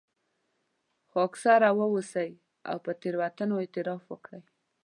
خاکساره واوسئ او پر تېروتنه اعتراف وکړئ.